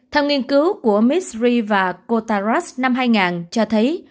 thầm nghiên cứu của misry và kotaras năm hai nghìn cho thấy